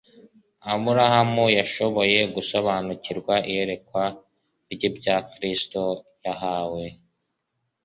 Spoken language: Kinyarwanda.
Aburahamu yashoboye gusobanukirwa iyerekwa ry'ibya Kristo yahawe.